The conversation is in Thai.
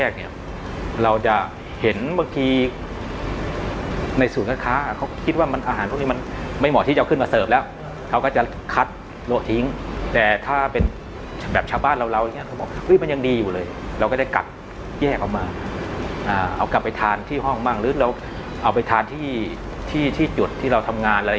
คุณสุพรสำอางเพชรเป็นรอพอด้วยกันที่คุณสุพรสำอางเพชรเป็นรอพอด้วยกันที่คุณสุพรสำอางเพชรเป็นรอพอด้วยกันที่คุณสุพรสำอางเพชรเป็นรอพอด้วยกันที่คุณสุพรสำอางเพชรเป็นรอพอด้วยกันที่คุณสุพรสำอางเพชรเป็นรอพอด้วยกันที่คุณสุพรสำอางเพชรเป็นรอพอด้วยกันที่คุณสุพรสำอางเพชรเป็นร